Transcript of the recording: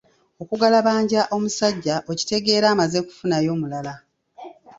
Okugalabanja omusajja okitegeera amaze kufunayo mulala.